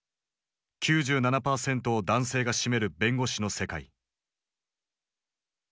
９７％を男性が占める弁護士の世界。